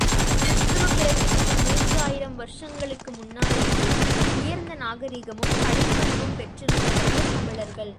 கிறிஸ்து பிறப்பதற்கு மூன்று ஆயிரம் வருஷங்களுக்கு முன்னாலேயே, உயர்ந்த நாகரிகமும் கலைப் பண்பும் பெற்றிருந்தவர்கள் தமிழர்கள்.